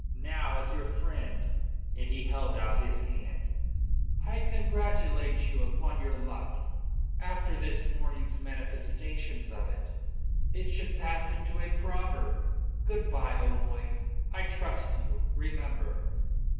Now as your friend," and he held out his hand, "I congratulate you upon your luck. After this morning's manifestations of it, it should pass into a proverb. Goodbye, O'Moy. I trust you, remember."